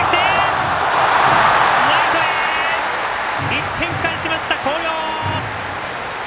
１点返しました、広陵！